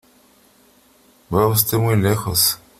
¿ va usted muy lejos ?